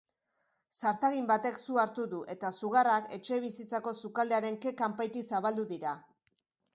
Zartagin batek su hartu du eta sugarrak etxebizitzako sukaldearen ke-kanpaitik zabaldu dira.